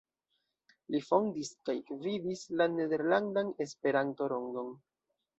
Li fondis kaj gvidis la "Nederlandan Esperanto-Rondon.